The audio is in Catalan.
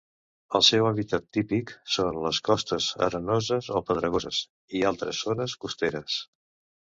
El seu hàbitat típic són les costes arenoses o pedregoses i altres zones costeres.